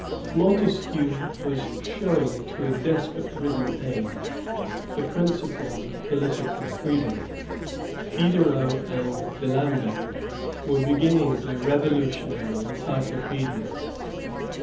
Montesquieu was showing to a despot ridden age the principles of political freedom. Diderot and D'Alembert were beginning their revolutionary Encyclopædia.